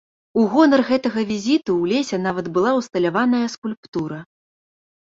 У гонар гэтага візіту ў лесе нават была ўсталяваная скульптура.